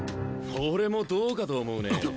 俺もどうかと思うねえ。